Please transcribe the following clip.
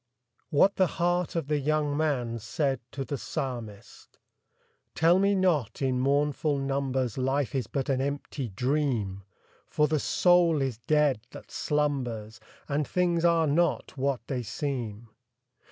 ■WHAT THE HEART OF THE YOUNG MAN SAID TO THE PSALMIST. Tell me not, in mournful numbers, Life is but an empty dream ! For the soul is dead that slumbers. And things are not what they seem.